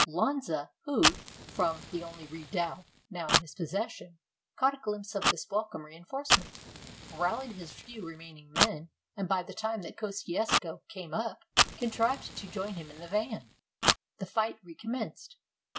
Lonza, who, from the only redoubt now in his possession, caught a glimpse of this welcome reinforcement, rallied his few remaining men, and by the time that Kosciusko came up, contrived to join him in the van. The fight recommenced.